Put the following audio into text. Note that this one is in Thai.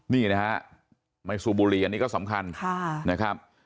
นี่นะฮะไม่สูบบุหรี่อันนี้ก็สำคัญนะครับ